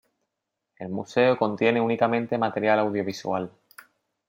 El museo contiene únicamente material audiovisual.